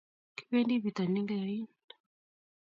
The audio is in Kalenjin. Kipoendi pitonin kayain